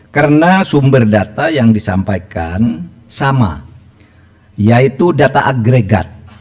karena sumber data yang disampaikan sama yaitu data agregat